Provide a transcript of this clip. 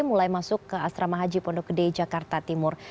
mulai masuk ke asrama haji pondok gede jakarta timur